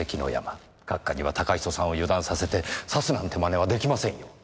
閣下には嵩人さんを油断させて刺すなんて真似はできませんよ。